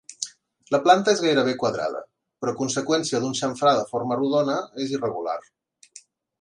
La planta és gairebé quadrada però a conseqüència d'un xamfrà de forma rodona és irregular.